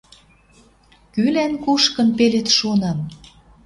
Кӱлӓн, кушкын, пелед шонам